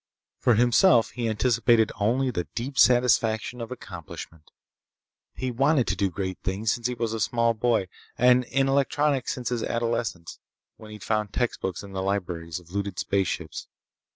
For himself he anticipated only the deep satisfaction of accomplishment. He'd wanted to do great things since he was a small boy, and in electronics since his adolescence, when he'd found textbooks in the libraries of looted spaceships.